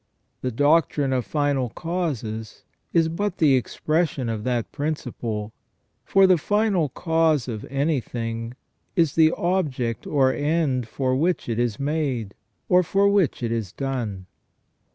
The doctrine of final causes is but the expression of that principle ; for the final cause of anything is the object or end for which it is made, or for which it is done.